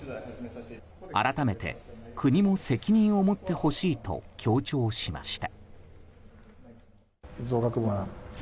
改めて国も責任を持ってほしいと強調しました。